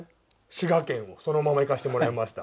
滋賀県をそのままいかしてもらいました。